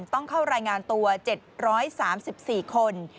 ต้องเข้ารายงานตัว๗๓๔คน